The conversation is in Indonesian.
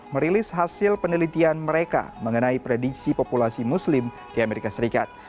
merilis hasil penelitian mereka mengenai prediksi populasi muslim di amerika serikat